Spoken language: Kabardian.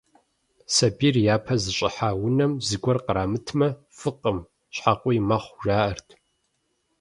Сабийр япэ зыщӀыхьа унэм зыгуэр кърамытмэ, фӀыкъым, щхьэкъуий мэхъу, жаӀэрт.